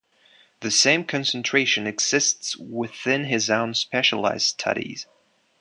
The same concentration exists within his own specialised studies.